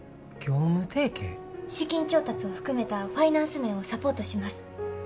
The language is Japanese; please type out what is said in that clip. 資金調達を含めたファイナンス面をサポートします。